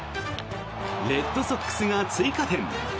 レッドソックスが追加点。